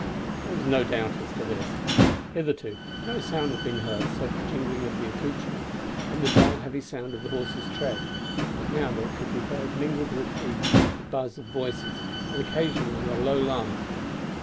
There was no doubt as to this. Hitherto no sound had been heard save the jingling of accouterments and the dull heavy sound of the horses' tread; but now there could be heard mingled with these the buzz of voices, and occasionally a low laugh.